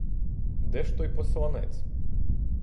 Де ж той посланець?